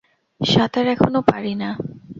সাঁতার এখনও পারি না।